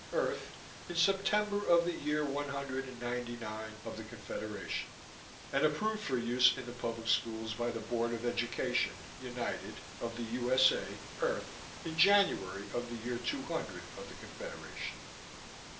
Earth in September of the year one hundred and ninety nine of the Confederation and approved for use in the public schools by the Board of Education (United) of the U. S. A., Earth, in January of the year two hundred of the Confederation.